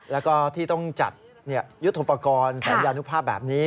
แล้วก็ที่ต้องจัดยุทธโปรกรณ์สัญญาณุภาพแบบนี้